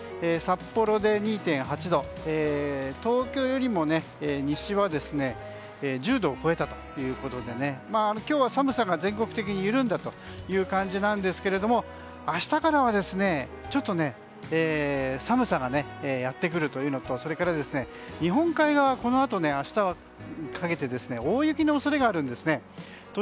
札幌で２．８度東京よりも西は１０度を超えたということで今日は寒さが全国的に緩んだという感じなんですが明日からはちょっと寒さがやってくるというのとそれから日本海側はこのあと明日にかけて大雪の恐れがあるんですね。